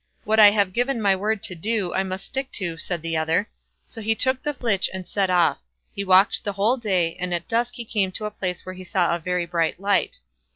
"What I have given my word to do, I must stick to" said the other; so he took the flitch and set off. He walked the whole day, and at dusk he came to a place where he saw a very bright light.